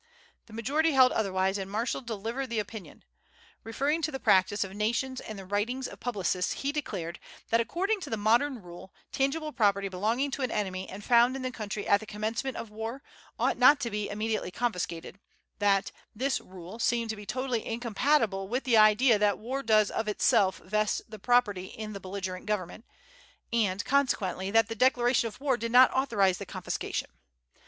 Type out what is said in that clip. The majority held otherwise, and Marshall delivered the opinion. Referring to the practice of nations and the writings of publicists, he declared that, according to "the modern rule," "tangible property belonging to an enemy and found in the country at the commencement of war, ought not to be immediately confiscated;" that "this rule" seemed to be "totally incompatible with the idea that war does of itself vest the property in the belligerent government;" and, consequently, that the declaration of war did not authorize the confiscation.